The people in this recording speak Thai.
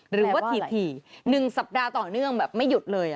หรือว่าถี่๑สัปดาห์ต่อเนื่องแบบไม่หยุดเลย